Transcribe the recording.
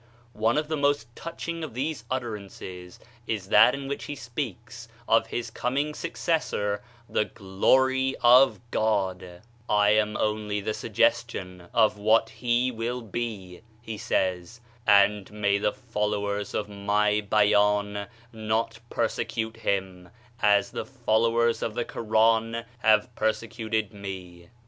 One of the most touching of these utter ances is that in which he speaks of his coming successor, the Glory of God; "I am only the suggestion of what he will be," he says, "and may the followers of my Beyan not persecute him as the followers of the Koran have perse cuted me